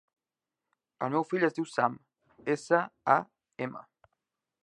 El meu fill es diu Sam: essa, a, ema.